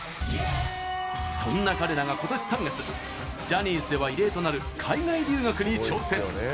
そんな彼らが今年３月ジャニーズでは異例となる海外留学に挑戦。